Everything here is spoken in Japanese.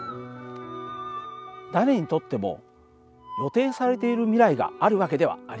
誰にとっても予定されている未来がある訳ではありません。